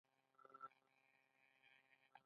هغې وويل اوس.